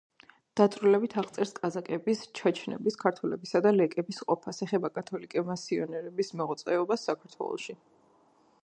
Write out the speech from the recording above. დაწვრილებით აღწერს კაზაკების, ჩაჩნების, ქართველებისა და ლეკების ყოფას, ეხება კათოლიკე მისიონერების მოღვაწეობას საქართველოში.